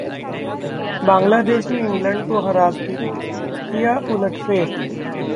बांग्लादेश ने इंग्लैंड को हरा किया उलटफेर